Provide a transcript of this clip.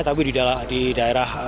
tapi di daerah